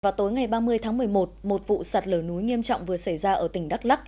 vào tối ngày ba mươi tháng một mươi một một vụ sạt lở núi nghiêm trọng vừa xảy ra ở tỉnh đắk lắc